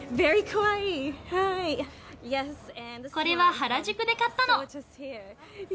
これは原宿で買ったの。